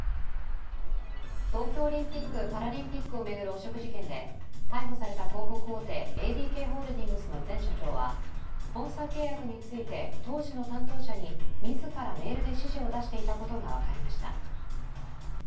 東京オリンピック・パラリンピックを巡る汚職事件で逮捕された広告大手ＡＤＫホールディングスの前社長はスポンサー契約について当時の担当者に自らメールで指示を出していたことが分かりました。